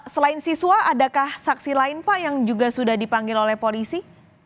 selain siswa adakah saksi lain pak yang juga sudah dipanggil oleh polisi